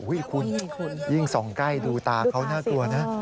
คุณยิ่งส่องใกล้ดูตาเขาน่ากลัวนะ